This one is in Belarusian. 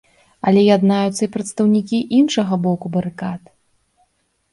Але яднаюцца і прадстаўнікі іншага боку барыкад.